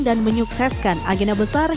dan menyukseskan agenda besar